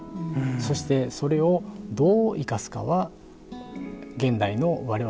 そしてそれをどう生かすかは現代の我々の使命なんです。